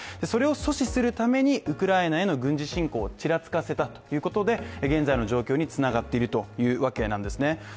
それを阻止するためにウクライナへの軍事侵攻をちらつかせたということで現在の状況につながっているというわけなんですね。